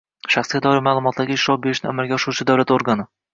— shaxsga doir ma’lumotlarga ishlov berishni amalga oshiruvchi davlat organi